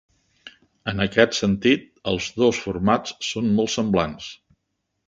En aquest sentit, els dos formats són molt semblants.